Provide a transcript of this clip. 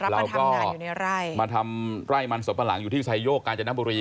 เราก็มาทำรายมันศพมหลังอยู่ในสลายโยคการจนบุรี